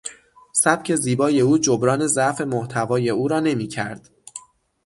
سبک زیبای او جبران ضعف محتوای او را نمیکرد.